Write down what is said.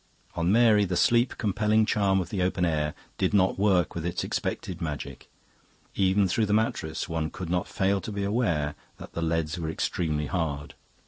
On Mary the sleep compelling charm of the open air did not work with its expected magic. Even through the mattress one could not fail to be aware that the leads were extremely hard.